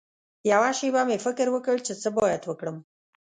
یوه شېبه مې فکر وکړ چې څه باید وکړم.